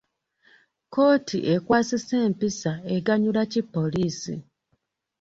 Ekkooti ekwasisa empisa eganyula ki poliisi?